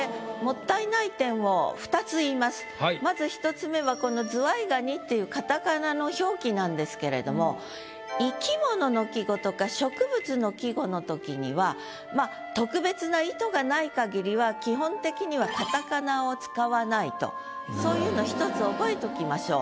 まず１つ目はこの「ズワイガニ」っていうカタカナの表記なんですけれども生き物の季語とか植物の季語の時にはまあ特別な意図がないかぎりは基本的にはカタカナを使わないとそういうの１つ覚えときましょう。